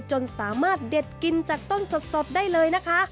จนสามารถเด็ดกินจากต้นสดได้เลยนะคะ